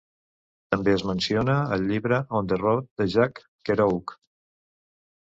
També es menciona al llibre "On the Road" de Jack Kerouac.